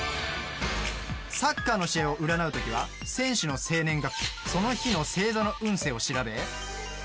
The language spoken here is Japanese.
サッカーの試合を占うときは選手の生年月日その日の星座の運勢を調べ